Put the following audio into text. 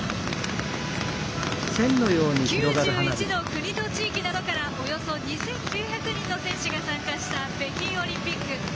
９１の国と地域などからおよそ２９００人の選手が参加した北京オリンピック。